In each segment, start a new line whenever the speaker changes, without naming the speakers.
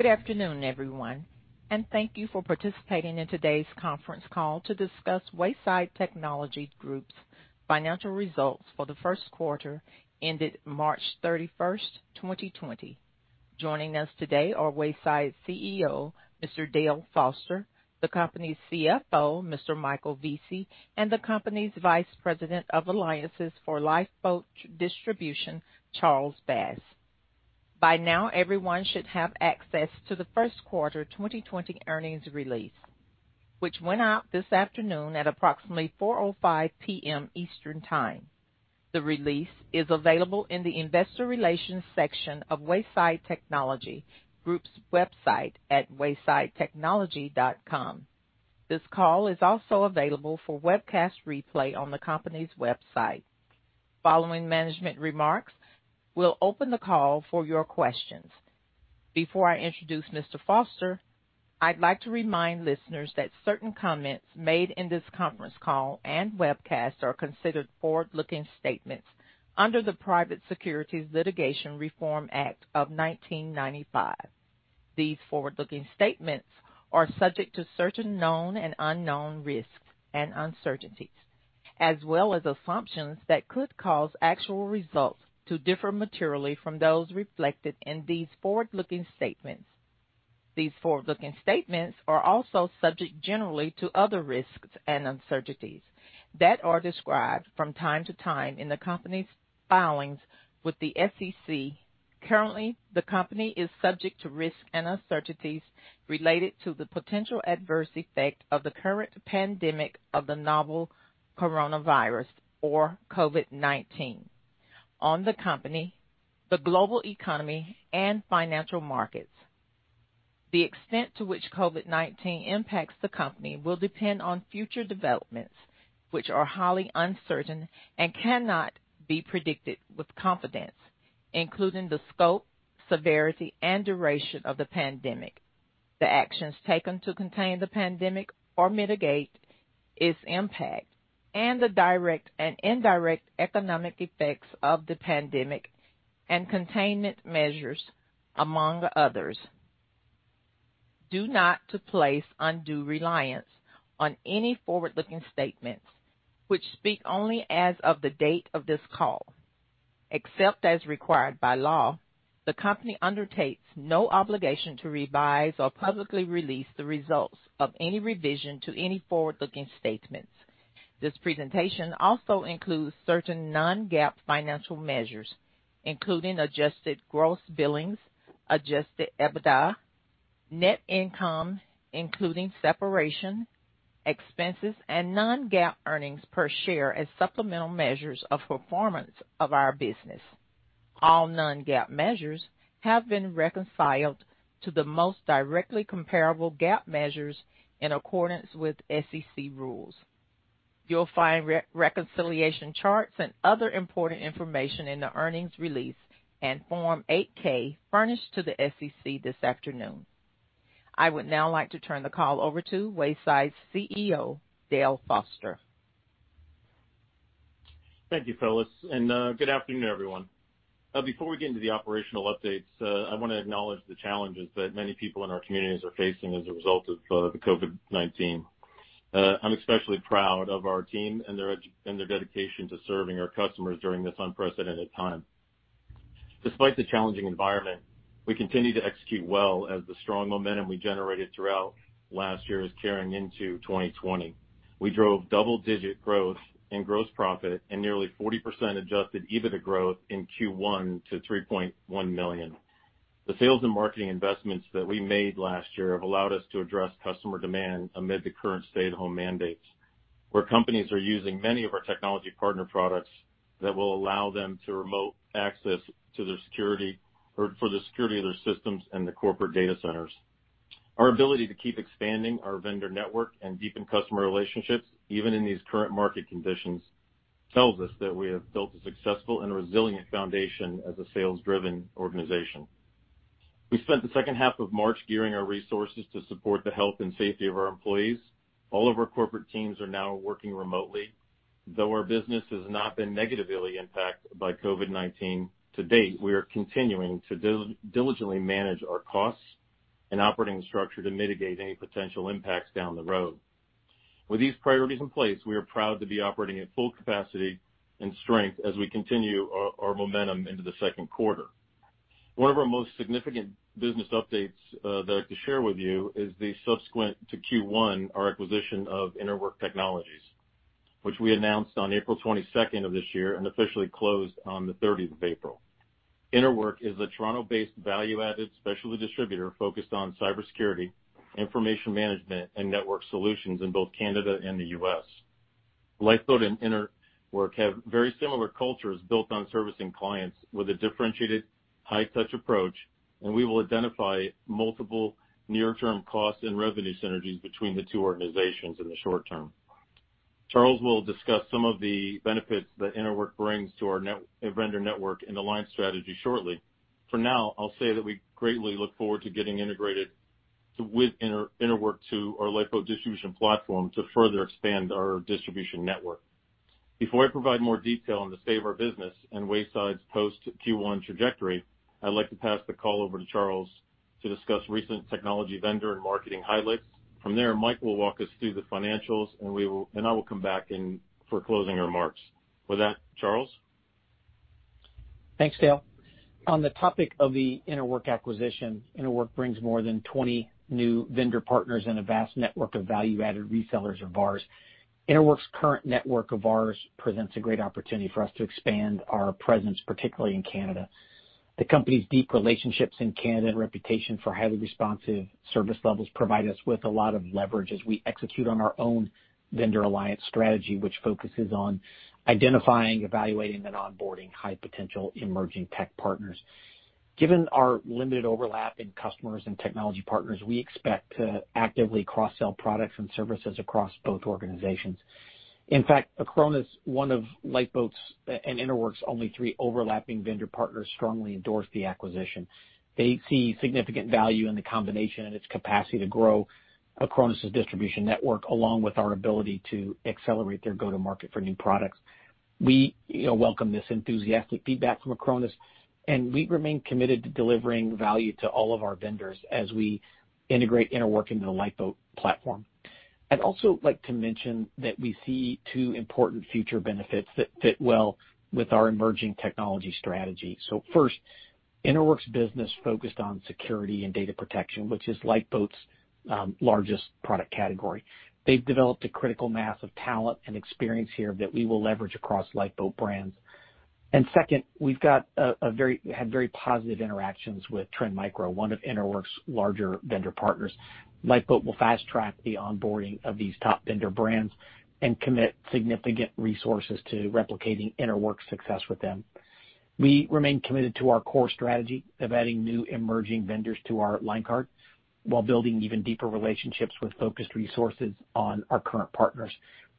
Good afternoon, everyone, and thank you for participating in today's conference call to discuss Wayside Technology Group's financial results for the first quarter ended March 31st, 2020. Joining us today are Wayside CEO, Mr. Dale Foster, the company's CFO, Mr. Michael Vesey, and the company's Vice President of Alliances for Lifeboat Distribution, Charles Bass. By now, everyone should have access to the first quarter 2020 earnings release, which went out this afternoon at approximately 4:05 P.M. Eastern Time. The release is available in the investor relations section of Wayside Technology Group's website at waysidetechnology.com. This call is also available for webcast replay on the company's website. Following management remarks, we'll open the call for your questions. Before I introduce Mr. Foster, I'd like to remind listeners that certain comments made in this conference call and webcast are considered forward-looking statements under the Private Securities Litigation Reform Act of 1995. These forward-looking statements are subject to certain known and unknown risks and uncertainties, as well as assumptions that could cause actual results to differ materially from those reflected in these forward-looking statements. These forward-looking statements are also subject generally to other risks and uncertainties that are described from time to time in the company's filings with the SEC. Currently, the company is subject to risks and uncertainties related to the potential adverse effect of the current pandemic of the novel Coronavirus, or COVID-19, on the company, the global economy, and financial markets. The extent to which COVID-19 impacts the company will depend on future developments, which are highly uncertain and cannot be predicted with confidence, including the scope, severity, and duration of the pandemic, the actions taken to contain the pandemic or mitigate its impact, and the direct and indirect economic effects of the pandemic and containment measures, among others. Do not to place undue reliance on any forward-looking statements, which speak only as of the date of this call. Except as required by law, the company undertakes no obligation to revise or publicly release the results of any revision to any forward-looking statements. This presentation also includes certain non-GAAP financial measures, including adjusted gross billings, adjusted EBITDA, net income including separation expenses, and non-GAAP earnings per share as supplemental measures of performance of our business. All non-GAAP measures have been reconciled to the most directly comparable GAAP measures in accordance with SEC rules. You'll find reconciliation charts and other important information in the earnings release and Form 8-K furnished to the SEC this afternoon. I would now like to turn the call over to Wayside CEO, Dale Foster.
Thank you, Phyllis, and good afternoon, everyone. Before we get into the operational updates, I want to acknowledge the challenges that many people in our communities are facing as a result of the COVID-19. I'm especially proud of our team and their dedication to serving our customers during this unprecedented time. Despite the challenging environment, we continue to execute well as the strong momentum we generated throughout last year is carrying into 2020. We drove double-digit growth in gross profit and nearly 40% adjusted EBITDA growth in Q1 to $3.1 million. The sales and marketing investments that we made last year have allowed us to address customer demand amid the current stay-at-home mandates, where companies are using many of our technology partner products that will allow them to remote access for the security of their systems and their corporate data centers. Our ability to keep expanding our vendor network and deepen customer relationships, even in these current market conditions, tells us that we have built a successful and resilient foundation as a sales-driven organization. We spent the second half of March gearing our resources to support the health and safety of our employees. All of our corporate teams are now working remotely. Though our business has not been negatively impacted by COVID-19 to date, we are continuing to diligently manage our costs and operating structure to mitigate any potential impacts down the road. With these priorities in place, we are proud to be operating at full capacity and strength as we continue our momentum into the second quarter. One of our most significant business updates that I'd like to share with you is the subsequent to Q1, our acquisition of InterWork Technologies, which we announced on April 22nd of this year and officially closed on the 30th of April. InterWork is a Toronto-based value-added specialty distributor focused on cybersecurity, information management, and network solutions in both Canada and the U.S. Lifeboat and InterWork have very similar cultures built on servicing clients with a differentiated high-touch approach, and we will identify multiple near-term cost and revenue synergies between the two organizations in the short term. Charles will discuss some of the benefits that InterWork brings to our vendor network and alliance strategy shortly. For now, I'll say that we greatly look forward to getting integrated with InterWork to our Lifeboat Distribution platform to further expand our distribution network. Before I provide more detail on the state of our business and Wayside's post Q1 trajectory, I'd like to pass the call over to Charles to discuss recent technology vendor and marketing highlights. From there, Mike will walk us through the financials, and I will come back in for closing remarks. With that, Charles?
Thanks, Dale. On the topic of the InterWork acquisition, InterWork brings more than 20 new vendor partners and a vast network of value-added resellers or VARs. InterWork's current network of VARs presents a great opportunity for us to expand our presence, particularly in Canada. The company's deep relationships in Canada and reputation for highly responsive service levels provide us with a lot of leverage as we execute on our own vendor alliance strategy, which focuses on identifying, evaluating, and onboarding high-potential emerging tech partners. Given our limited overlap in customers and technology partners, we expect to actively cross-sell products and services across both organizations. In fact, Acronis, one of Lifeboat's and InterWork's only three overlapping vendor partners, strongly endorsed the acquisition. They see significant value in the combination and its capacity to grow Acronis' distribution network, along with our ability to accelerate their go-to-market for new products. We welcome this enthusiastic feedback from Acronis, and we remain committed to delivering value to all of our vendors as we integrate InterWork into the Lifeboat platform. I'd also like to mention that we see two important future benefits that fit well with our emerging technology strategy. First, InterWork's business focused on security and data protection, which is Lifeboat's largest product category. They've developed a critical mass of talent and experience here that we will leverage across Lifeboat brands. Second, we've had very positive interactions with Trend Micro, one of InterWork's larger vendor partners. Lifeboat will fast-track the onboarding of these top vendor brands and commit significant resources to replicating InterWork's success with them. We remain committed to our core strategy of adding new emerging vendors to our line card while building even deeper relationships with focused resources on our current partners.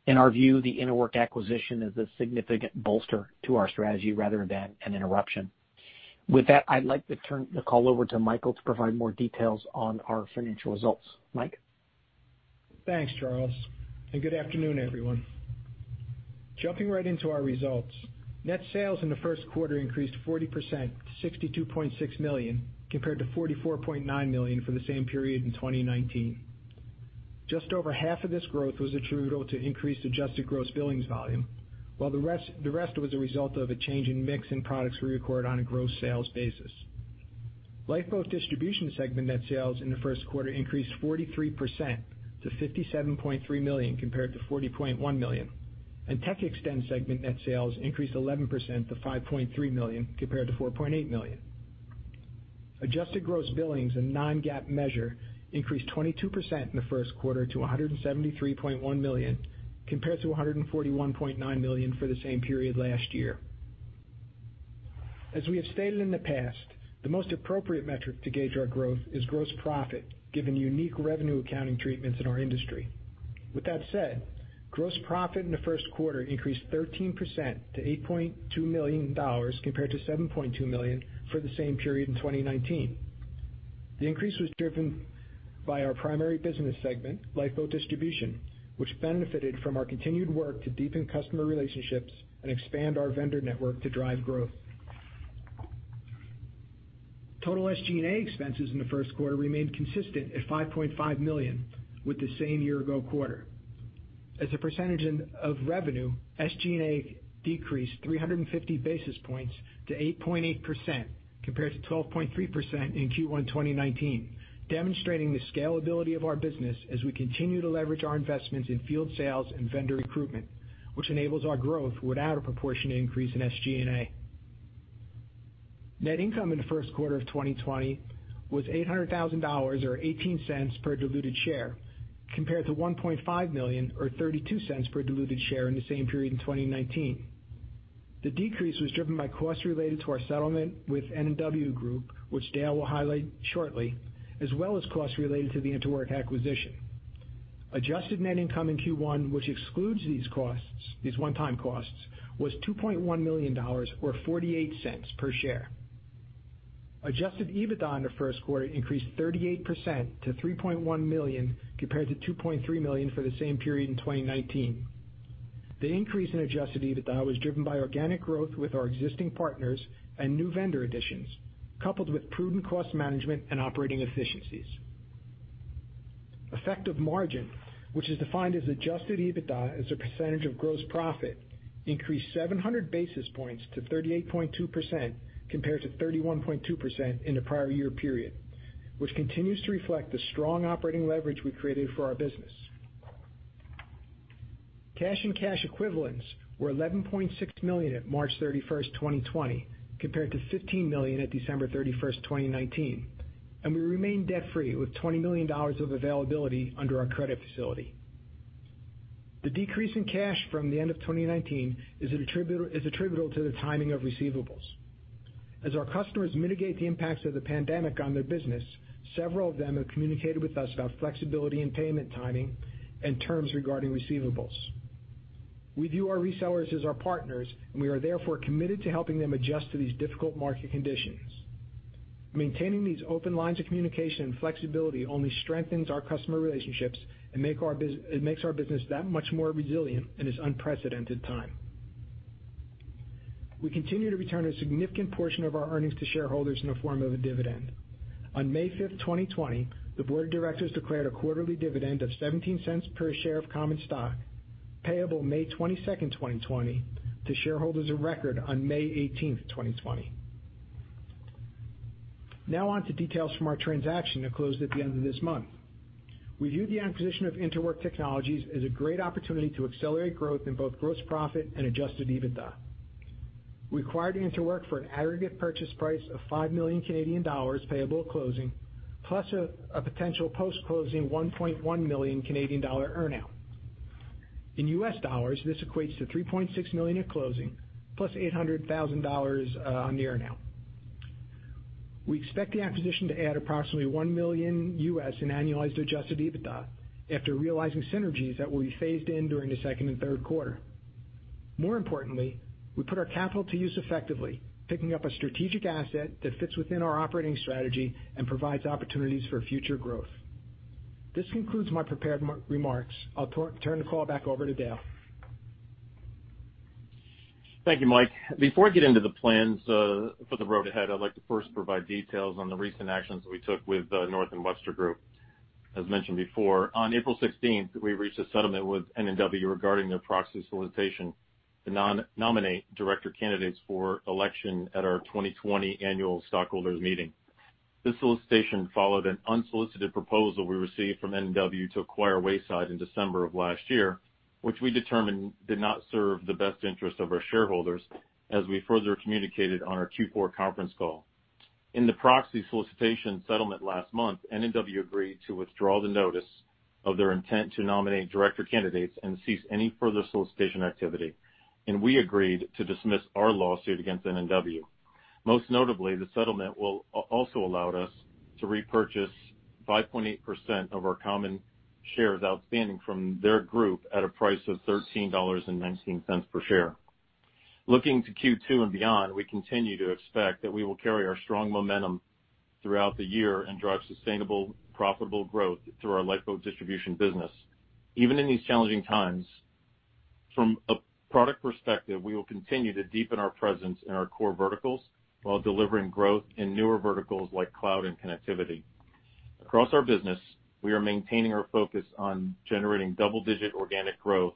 In our view, the InterWork acquisition is a significant bolster to our strategy rather than an interruption. With that, I'd like to turn the call over to Michael to provide more details on our financial results. Mike?
Thanks, Charles, good afternoon, everyone. Jumping right into our results. Net sales in the first quarter increased 40% to $62.6 million, compared to $44.9 million for the same period in 2019. Just over half of this growth was attributable to increased adjusted gross billings volume, while the rest was a result of a change in mix in products we record on a gross sales basis. Lifeboat Distribution segment net sales in the first quarter increased 43% to $57.3 million, compared to $40.1 million, and TechXtend segment net sales increased 11% to $5.3 million, compared to $4.8 million. Adjusted gross billings, a non-GAAP measure, increased 22% in the first quarter to $173.1 million, compared to $141.9 million for the same period last year. As we have stated in the past, the most appropriate metric to gauge our growth is gross profit, given the unique revenue accounting treatments in our industry. With that said, gross profit in the first quarter increased 13% to $8.2 million, compared to $7.2 million for the same period in 2019. The increase was driven by our primary business segment, Lifeboat Distribution, which benefited from our continued work to deepen customer relationships and expand our vendor network to drive growth. Total SG&A expenses in the first quarter remained consistent at $5.5 million with the same year-ago quarter. As a percentage of revenue, SG&A decreased 350 basis points to 8.8%, compared to 12.3% in Q1 2019, demonstrating the scalability of our business as we continue to leverage our investments in field sales and vendor recruitment, which enables our growth without a proportionate increase in SG&A. Net income in the first quarter of 2020 was $800,000, or $0.18 per diluted share, compared to $1.5 million or $0.32 per diluted share in the same period in 2019. The decrease was driven by costs related to our settlement with N&W Group, which Dale will highlight shortly, as well as costs related to the InterWork acquisition. Adjusted net income in Q1, which excludes these one-time costs, was $2.1 million, or $0.48 per share. Adjusted EBITDA in the first quarter increased 38% to $3.1 million, compared to $2.3 million for the same period in 2019. The increase in adjusted EBITDA was driven by organic growth with our existing partners and new vendor additions, coupled with prudent cost management and operating efficiencies. Effective margin, which is defined as adjusted EBITDA as a percentage of gross profit, increased 700 basis points to 38.2%, compared to 31.2% in the prior year period, which continues to reflect the strong operating leverage we've created for our business. Cash and cash equivalents were $11.6 million at March 31st, 2020, compared to $15 million at December 31st, 2019, and we remain debt-free with $20 million of availability under our credit facility. The decrease in cash from the end of 2019 is attributable to the timing of receivables. As our customers mitigate the impacts of the pandemic on their business, several of them have communicated with us about flexibility in payment timing and terms regarding receivables. We view our resellers as our partners, and we are therefore committed to helping them adjust to these difficult market conditions. Maintaining these open lines of communication and flexibility only strengthens our customer relationships and makes our business that much more resilient in this unprecedented time. We continue to return a significant portion of our earnings to shareholders in the form of a dividend. On May 5th, 2020, the board of directors declared a quarterly dividend of $0.17 per share of common stock, payable May 22nd, 2020, to shareholders of record on May 18th, 2020. Now on to details from our transaction that closed at the end of this month. We view the acquisition of InterWork Technologies as a great opportunity to accelerate growth in both gross profit and adjusted EBITDA. We acquired InterWork for an aggregate purchase price of 5 million Canadian dollars payable at closing, plus a potential post-closing 1.1 million Canadian dollar earn-out. In US dollars, this equates to $3.6 million at closing, plus $800,000 on the earn-out. We expect the acquisition to add approximately $1 million in annualized adjusted EBITDA after realizing synergies that will be phased in during the second and third quarter. More importantly, we put our capital to use effectively, picking up a strategic asset that fits within our operating strategy and provides opportunities for future growth. This concludes my prepared remarks. I'll turn the call back over to Dale.
Thank you, Mike. Before I get into the plans for the road ahead, I'd like to first provide details on the recent actions that we took with North & Webster Group. As mentioned before, on April 16th, we reached a settlement with N&W regarding their proxy solicitation to nominate director candidates for election at our 2020 annual stockholders meeting. This solicitation followed an unsolicited proposal we received from N&W to acquire Wayside in December of last year, which we determined did not serve the best interest of our shareholders, as we further communicated on our Q4 conference call. In the proxy solicitation settlement last month, N&W agreed to withdraw the notice of their intent to nominate director candidates and cease any further solicitation activity. We agreed to dismiss our lawsuit against N&W. Most notably, the settlement will also allow us to repurchase 5.8% of our common shares outstanding from their group at a price of $13.19 per share. Looking to Q2 and beyond, we continue to expect that we will carry our strong momentum throughout the year and drive sustainable, profitable growth through our Lifeboat Distribution business. Even in these challenging times, from a product perspective, we will continue to deepen our presence in our core verticals while delivering growth in newer verticals like cloud and connectivity. Across our business, we are maintaining our focus on generating double-digit organic growth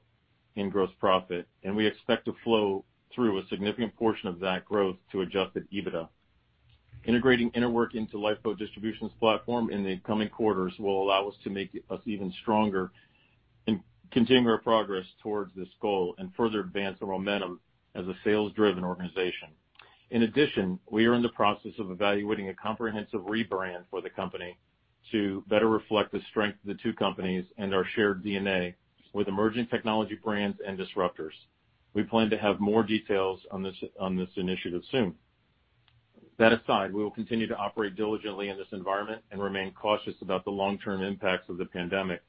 in gross profit, and we expect to flow through a significant portion of that growth to adjusted EBITDA. Integrating InterWork into Lifeboat Distribution's platform in the coming quarters will allow us to make us even stronger and continue our progress towards this goal and further advance the momentum as a sales-driven organization. In addition, we are in the process of evaluating a comprehensive rebrand for the company to better reflect the strength of the two companies and our shared DNA with emerging technology brands and disruptors. We plan to have more details on this initiative soon. That aside, we will continue to operate diligently in this environment and remain cautious about the long-term impacts of the pandemic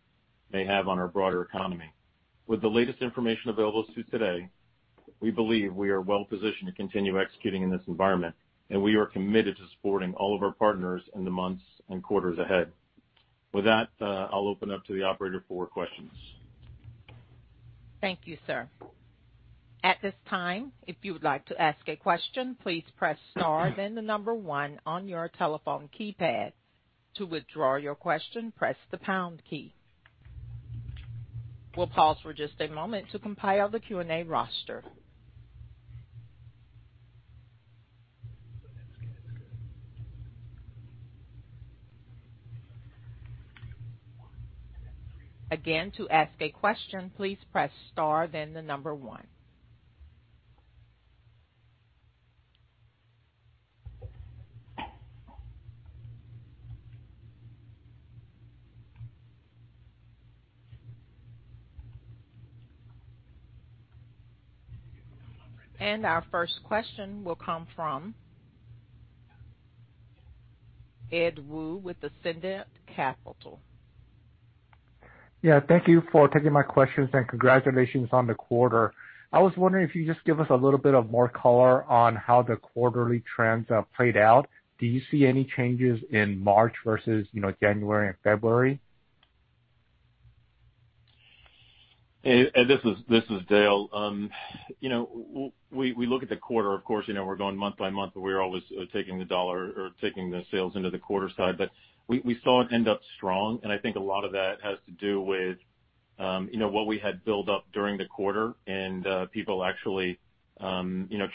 may have on our broader economy. With the latest information available today, we believe we are well positioned to continue executing in this environment, and we are committed to supporting all of our partners in the months and quarters ahead. With that, I will open up to the operator for questions.
Thank you, sir. At this time, if you would like to ask a question, please press star then the number one on your telephone keypad. To withdraw your question, press the pound key. We'll pause for just a moment to compile the Q&A roster. Again, to ask a question, please press star then the number one. Our first question will come from Ed Woo with Ascendiant Capital.
Yeah. Thank you for taking my questions, and congratulations on the quarter. I was wondering if you could just give us a little bit of more color on how the quarterly trends have played out. Do you see any changes in March versus January and February?
Ed, this is Dale. We look at the quarter, of course, we're going month-by-month. We're always taking the dollar or taking the sales into the quarter side, but we saw it end up strong, and I think a lot of that has to do with what we had built up during the quarter and people actually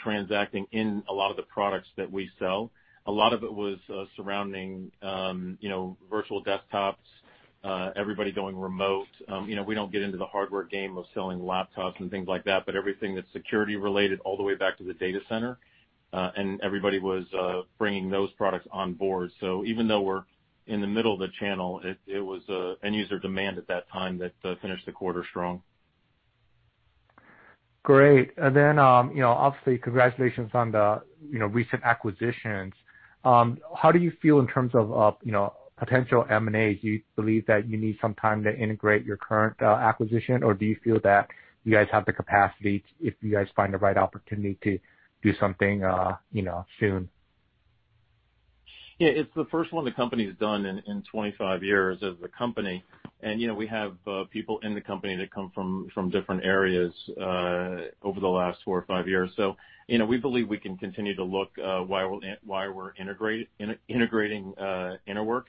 transacting in a lot of the products that we sell. A lot of it was surrounding virtual desktops, everybody going remote. We don't get into the hardware game of selling laptops and things like that, but everything that's security related all the way back to the data center, and everybody was bringing those products on board. Even though we're in the middle of the channel, it was end-user demand at that time that finished the quarter strong.
Great. Obviously, congratulations on the recent acquisitions. How do you feel in terms of potential M&As? Do you believe that you need some time to integrate your current acquisition, or do you feel that you guys have the capacity if you guys find the right opportunity to do something soon?
Yeah, it's the first one the company's done in 25 years as a company. We have people in the company that come from different areas, over the last four or five years. We believe we can continue to look while we're integrating InterWork.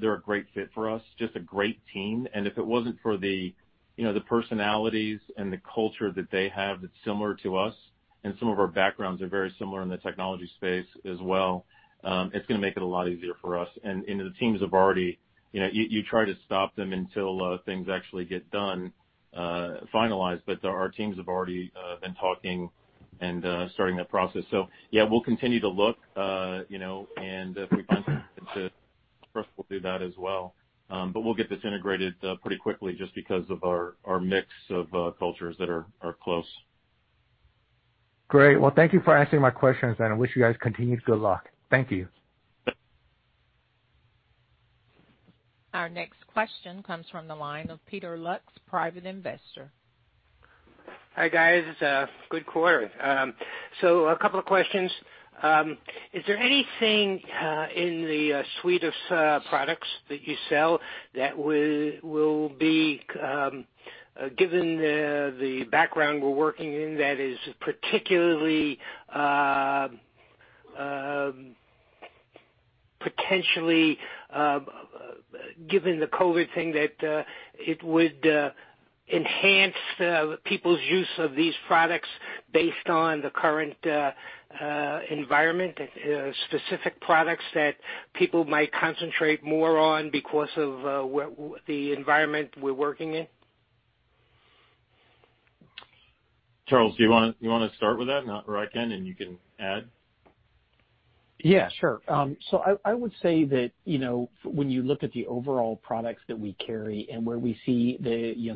They're a great fit for us, just a great team. If it wasn't for the personalities and the culture that they have that's similar to us, and some of our backgrounds are very similar in the technology space as well, it's going to make it a lot easier for us. You try to stop them until things actually get done, finalized, but our teams have already been talking and starting that process. Yeah, we'll continue to look, and if we find something that's best, we'll do that as well. We'll get this integrated pretty quickly just because of our mix of cultures that are close.
Great. Well, thank you for answering my questions, and I wish you guys continued good luck. Thank you.
Our next question comes from the line of Peter Lux, private investor.
Hi, guys. It's a good quarter. A couple of questions. Is there anything in the suite of products that you sell that will be, given the background we're working in, that is particularly, potentially, given the COVID thing, that it would enhance people's use of these products based on the current environment, specific products that people might concentrate more on because of the environment we're working in?
Charles, do you want to start with that? I can, and you can add.
Yeah, sure. I would say that when you look at the overall products that we carry and where we see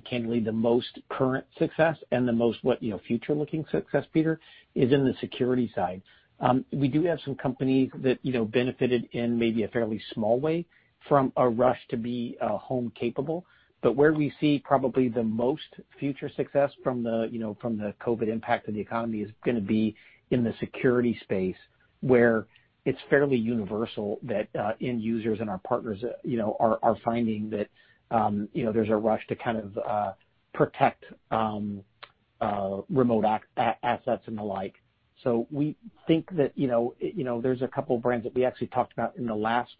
candidly the most current success and the most future-looking success, Peter, is in the security side. We do have some companies that benefited in maybe a fairly small way from a rush to be home capable. Where we see probably the most future success from the COVID-19 impact on the economy is going to be in the security space, where it's fairly universal that end users and our partners are finding that there's a rush to kind of protect remote assets and the like. We think that there's a couple of brands that we actually talked about in the last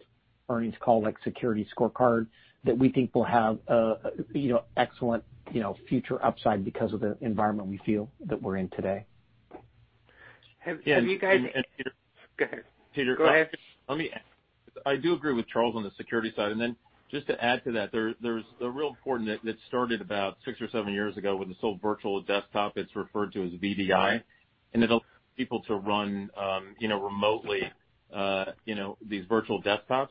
earnings call, like SecurityScorecard, that we think will have excellent future upside because of the environment we feel that we're in today.
Have you guys
Yeah. Peter
Go ahead.
Peter.
Go ahead.
I do agree with Charles on the security side. Just to add to that, there's a real component that started about six or seven years ago with this whole virtual desktop. It's referred to as VDI. It allows people to run remotely these virtual desktops.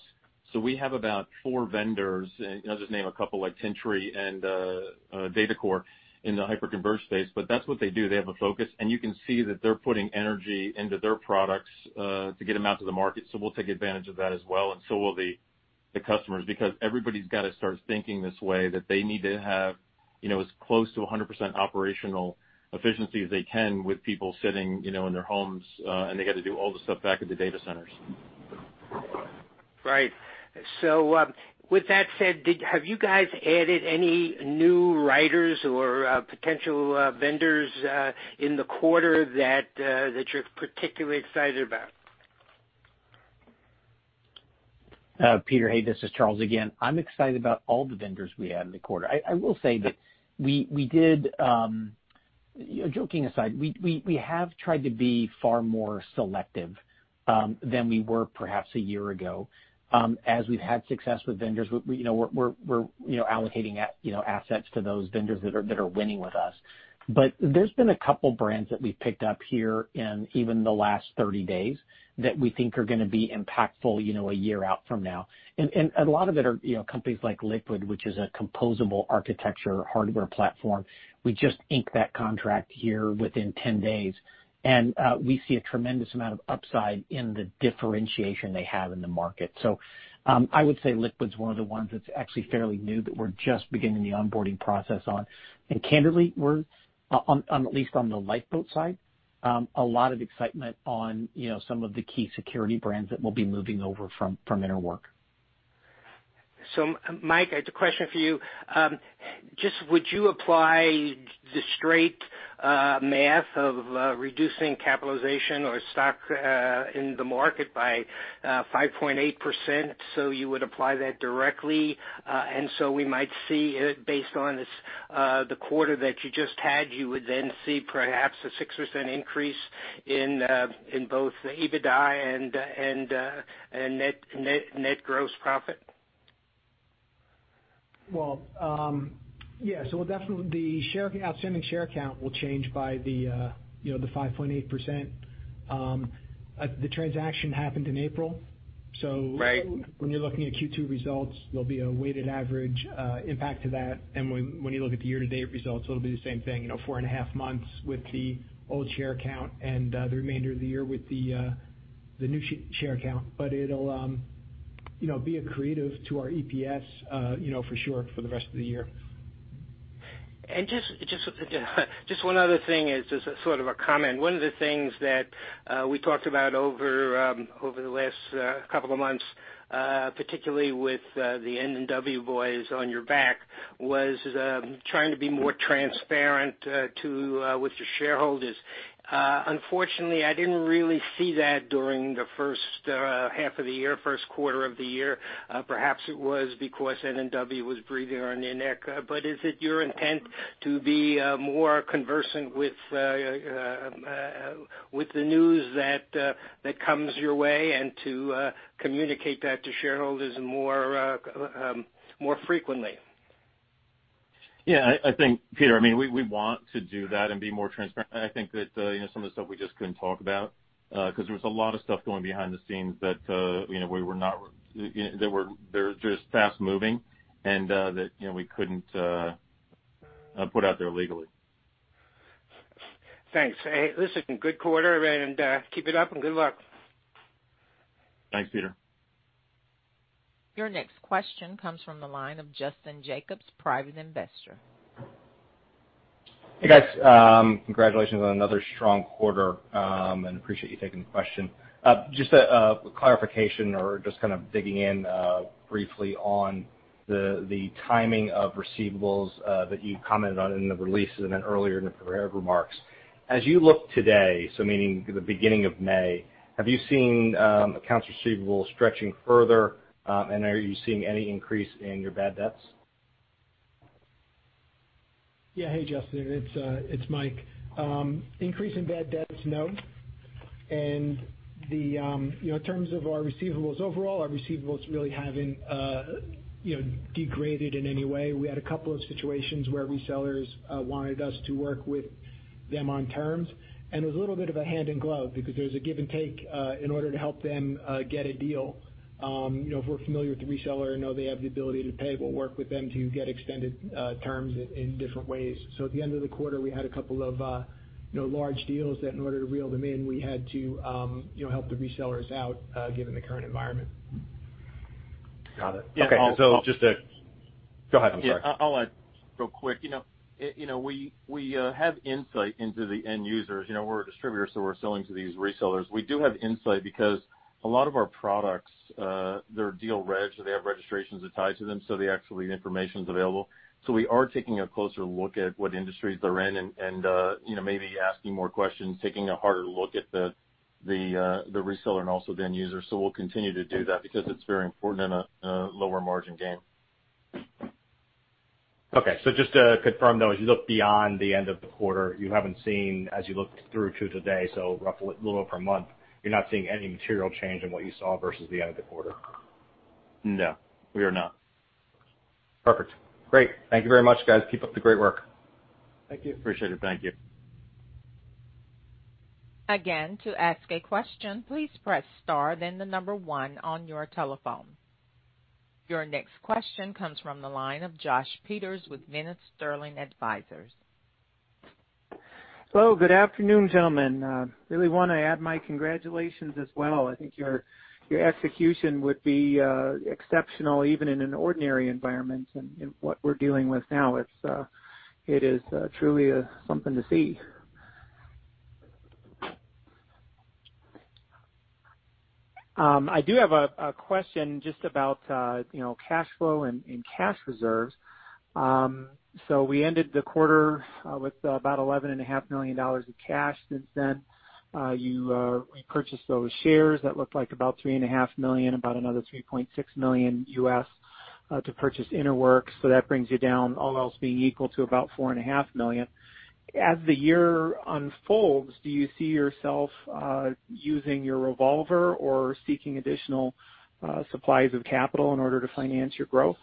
We have about four vendors. I'll just name a couple like Tintri and DataCore in the hyper-converged space. That's what they do. They have a focus. You can see that they're putting energy into their products to get them out to the market. We'll take advantage of that as well, and so will the customers, because everybody's got to start thinking this way, that they need to have as close to 100% operational efficiency as they can with people sitting in their homes, and they got to do all the stuff back at the data centers.
With that said, have you guys added any new writers or potential vendors in the quarter that you're particularly excited about?
Peter, hey, this is Charles again. I'm excited about all the vendors we added in the quarter. I will say that we did, joking aside, we have tried to be far more selective than we were perhaps a year ago. As we've had success with vendors, we're allocating assets to those vendors that are winning with us. There's been a couple brands that we've picked up here in even the last 30 days that we think are going to be impactful a year out from now. A lot of it are companies like Liqid, which is a composable architecture hardware platform. We just inked that contract here within 10 days, and we see a tremendous amount of upside in the differentiation they have in the market. I would say Liqid's one of the ones that's actually fairly new that we're just beginning the onboarding process on. Candidly, we're, at least on the Lifeboat side, a lot of excitement on some of the key security brands that we'll be moving over from InterWork.
Mike, I have a question for you. Just would you apply the straight math of reducing capitalization or stock in the market by 5.8%? You would apply that directly, we might see it based on the quarter that you just had. You would then see perhaps a 6% increase in both the EBITDA and net gross profit?
Well, yeah. Definitely the outstanding share count will change by the 5.8%. The transaction happened in April.
Right.
When you're looking at Q2 results, there'll be a weighted average impact to that. When you look at the year-to-date results, it'll be the same thing, four and a half months with the old share count and the remainder of the year with the new share count. It'll be accretive to our EPS for sure for the rest of the year.
Just one other thing as sort of a comment. One of the things that we talked about over the last couple of months, particularly with the N&W Group on your back, was trying to be more transparent with your shareholders. Unfortunately, I didn't really see that during the first half of the year, first quarter of the year. Perhaps it was because N&W was breathing on your neck. Is it your intent to be more conversant with the news that comes your way and to communicate that to shareholders more frequently?
Yeah. I think, Peter, we want to do that and be more transparent. I think that some of the stuff we just couldn't talk about, because there was a lot of stuff going behind the scenes that they're just fast-moving and that we couldn't put out there legally.
Thanks. Hey, listen, good quarter, and keep it up, and good luck.
Thanks, Peter.
Your next question comes from the line of Justin Jacobs, private investor.
Hey, guys. Congratulations on another strong quarter, and appreciate you taking the question. Just a clarification or just kind of digging in briefly on the timing of receivables that you commented on in the release and then earlier in the prepared remarks. As you look today, so meaning the beginning of May, have you seen accounts receivable stretching further, and are you seeing any increase in your bad debts?
Yeah. Hey, Justin, it's Mike. Increase in bad debts, no. In terms of our receivables overall, our receivables really haven't degraded in any way. We had a couple of situations where resellers wanted us to work with them on terms. It was a little bit of a hand in glove because there's a give and take in order to help them get a deal. If we're familiar with the reseller and know they have the ability to pay, we'll work with them to get extended terms in different ways. At the end of the quarter, we had a couple of large deals that in order to reel them in, we had to help the resellers out given the current environment.
Got it. Okay. Go ahead, I'm sorry.
I'll add real quick. We have insight into the end users. We're a distributor, so we're selling to these resellers. We do have insight because a lot of our products, they're deal regged, so they have registrations tied to them, so the actual information's available. We are taking a closer look at what industries they're in and maybe asking more questions, taking a harder look at the reseller and also the end user. We'll continue to do that because it's very important in a lower margin game.
Okay, just to confirm, though, as you look beyond the end of the quarter, you haven't seen as you looked through to today, so roughly a little over a month, you're not seeing any material change in what you saw versus the end of the quarter?
No, we are not.
Perfect. Great. Thank you very much, guys. Keep up the great work.
Thank you.
Appreciate it. Thank you.
Again, to ask a question, please press star then the number one on your telephone. Your next question comes from the line of Josh Peters with Zenith Sterling Advisors.
Hello, good afternoon, gentlemen. Really want to add my congratulations as well. I think your execution would be exceptional even in an ordinary environment, and what we're dealing with now, it is truly something to see. I do have a question just about cash flow and cash reserves. We ended the quarter with about $11.5 million of cash. Since then, you repurchased those shares. That looked like about $3.5 million, about another $3.6 million US to purchase InterWork, so that brings you down, all else being equal, to about $4.5 million. As the year unfolds, do you see yourself using your revolver or seeking additional supplies of capital in order to finance your growth?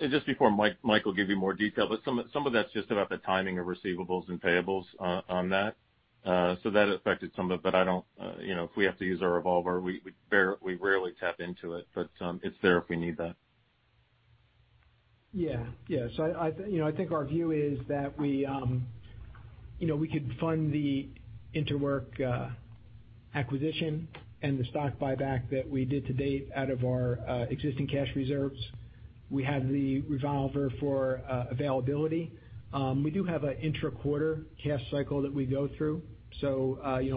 Just before Mike will give you more detail, but some of that's just about the timing of receivables and payables on that. That affected some of it, but if we have to use our revolver, we rarely tap into it, but it's there if we need that.
I think our view is that we could fund the InterWork acquisition and the stock buyback that we did to date out of our existing cash reserves. We have the revolver for availability. We do have an inter-quarter cash cycle that we go through.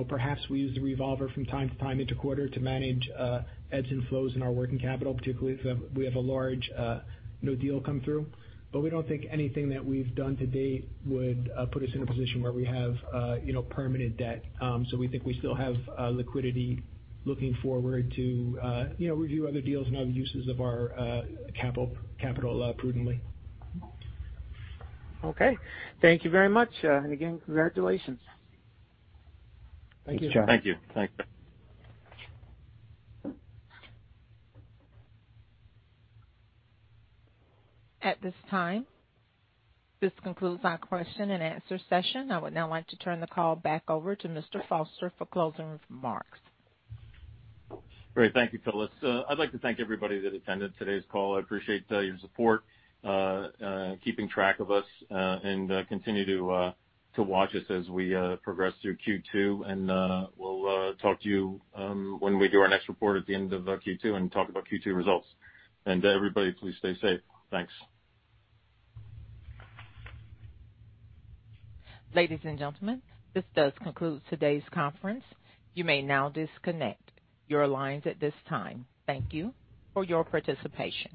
Perhaps we use the revolver from time to time inter-quarter to manage ebbs and flows in our working capital, particularly if we have a large new deal come through. We don't think anything that we've done to date would put us in a position where we have permanent debt. We think we still have liquidity looking forward to review other deals and other uses of our capital prudently.
Okay. Thank you very much. Again, congratulations.
Thank you, Josh.
Thank you.
Thanks.
At this time, this concludes our question and answer session. I would now like to turn the call back over to Mr. Foster for closing remarks.
Great. Thank you, Phyllis. I'd like to thank everybody that attended today's call. I appreciate your support, keeping track of us, and continue to watch us as we progress through Q2. We'll talk to you when we do our next report at the end of Q2 and talk about Q2 results. Everybody, please stay safe. Thanks.
Ladies and gentlemen, this does conclude today's conference. You may now disconnect your lines at this time. Thank you for your participation.